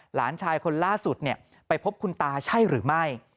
หลานชายคนล่าสุดไปพบคุณตาใช่หรือไม่